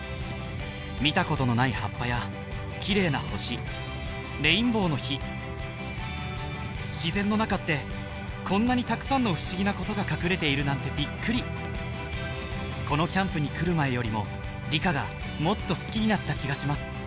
見たことのない葉っぱや綺麗な星レインボーの火自然の中ってこんなにたくさんの不思議なことが隠れているなんてびっくりこのキャンプに来る前よりも理科がもっと好きになった気がします